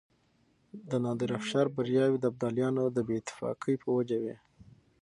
د نادرافشار برياوې د ابدالیانو د بې اتفاقۍ په وجه وې.